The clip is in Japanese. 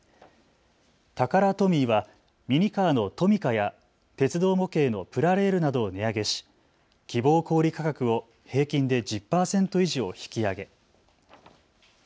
タカラトミーはミニカーのトミカや鉄道模型のプラレールなどを値上げし希望小売価格を平均で１０％以上引き上げ。